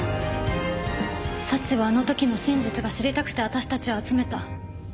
早智はあの時の真実が知りたくて私たちを集めた。